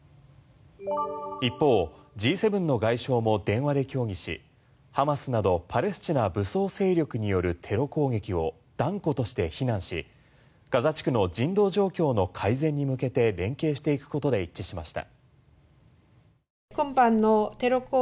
一方Ｇ７の外相も電話で協議しハマスなどパレスチナ武装勢力によるテロ攻撃を断固として非難しガザ地区の人道状況の改善に向けて連携していくことで一致しました。